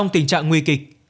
đã nguy kịch